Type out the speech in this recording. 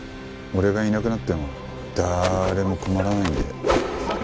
俺がいなくなっても誰も困らないんで。